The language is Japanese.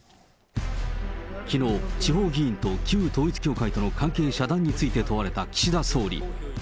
きのう、地方議員と旧統一教会との関係遮断について問われた岸田総理。